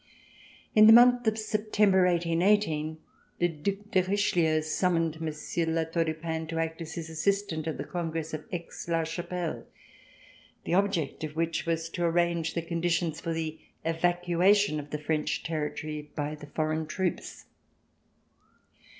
In the month of September, 1818, the Due de Richelieu summoned Monsieur de La Tour du Pin to act as his assistant at the Congress at Aix la Chapelle, the object of which was to arrange the conditions for the evacuation of the French territory by the foreign troops.